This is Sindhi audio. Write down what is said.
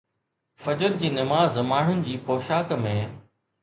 فجر جي نماز ماڻهن جي پوشاڪ ۾